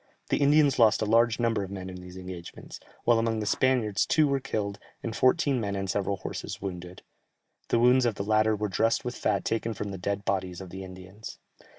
The Indians lost a large number of men in these engagements, while among the Spaniards two were killed, and fourteen men and several horses wounded; the wounds of the latter were dressed with fat taken from the dead bodies of the Indians.